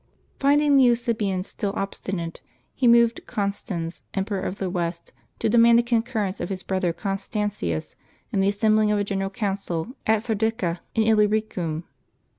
Finding the Eusebians still obstinate, he moved Constans, Emperor of the West, to demand the concurrence of his brother Constantius in the assembling of a general council at Sardica in Illyricum.